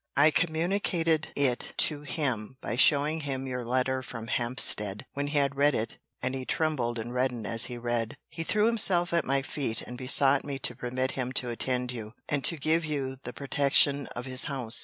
I communicated it to him by showing him your letter from Hampstead. When he had read it, [and he trembled and reddened, as he read,] he threw himself at my feet, and besought me to permit him to attend you, and to give you the protection of his house.